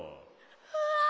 うわ！